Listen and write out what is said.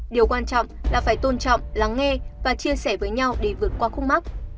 điều quan trọng là phải tôn trọng lắng nghe và chia sẻ với nhau để vượt qua khúc mắt